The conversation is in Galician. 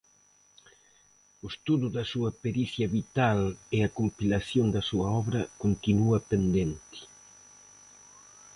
O estudo da súa pericia vital e a compilación da súa obra continúa pendente.